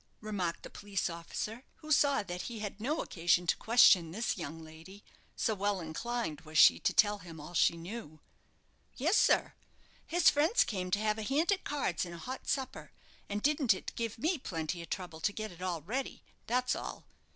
remarked the police officer, who saw that he had no occasion to question this young lady, so well inclined was she to tell him all she knew. "Yes, sir. His friends came to have a hand at cards and a hot supper; and didn't it give me plenty of trouble to get it all ready, that's all.